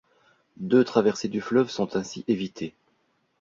Deux traversés du fleuve sont ainsi évitées.